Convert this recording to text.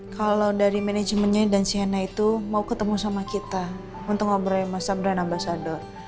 kalau dari manajemennya dan cnn itu mau ketemu sama kita untuk ngobrol sama sabran ambasador